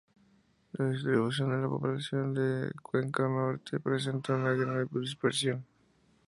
La distribución de la población de la Cuenca Norte presenta una gran dispersión.